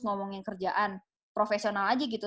ngomongin kerjaan profesional aja gitu